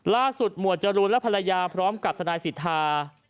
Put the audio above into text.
ล่าสุดหมวดจรุนและภรรยาพร้อมกับสนายศิษฐา